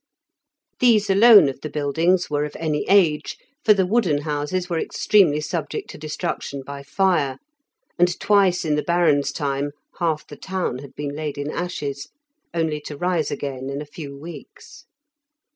These alone of the buildings were of any age, for the wooden houses were extremely subject to destruction by fire, and twice in the Baron's time half the town had been laid in ashes, only to rise again in a few weeks.